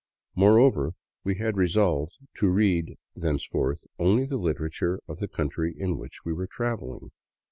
Moreover, we had resolved to read thenceforth only the literature of the country in which we were traveling.